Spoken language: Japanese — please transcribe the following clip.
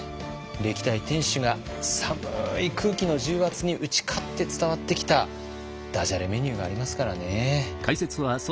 歴代店主が寒い空気の重圧に打ち勝って伝わってきたダジャレメニューがありますからね。